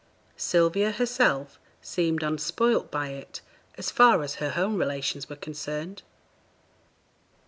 Sylvia herself seemed unspoilt by it as far as her home relations were concerned.